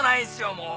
もう！